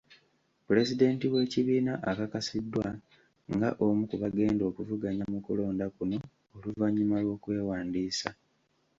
Pulezidenti w'ekibiina akakasiddwa nga omu ku bagenda okuvuganya mu kulonda kuno oluvannyuma lw'okwewandiisa.